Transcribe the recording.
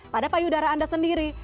pada payudara anda sendiri